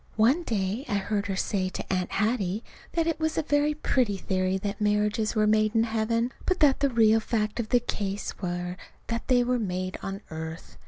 One day I heard her say to Aunt Hattie that it was a very pretty theory that marriages were made in heaven, but that the real facts of the case were that they were made on earth.